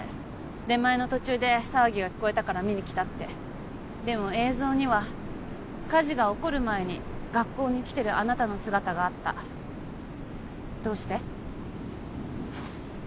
出前の途中で騒ぎが聞こえたから見に来たってでも映像には火事が起こる前に学校に来てるあなたの姿があったどうして？